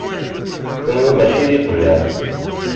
Kunwi mačči d iqjan.